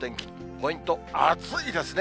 ポイント、暑いですね。